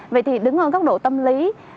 vậy thì đứng ở góc độ tâm lý